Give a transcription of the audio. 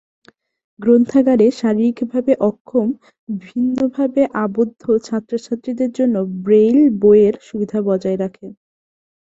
গ্রন্থাগারে শারীরিকভাবে অক্ষম/ভিন্নভাবে আবদ্ধ ছাত্র-ছাত্রীদের জন্য ব্রেইল বইয়ের সুবিধা বজায় রাখে।